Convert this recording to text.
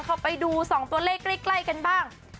เข้าไปดู๒ตัวเลขใกล้กันบ้าง